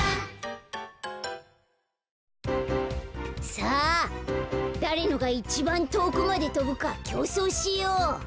さあだれのがいちばんとおくまでとぶかきょうそうしよう。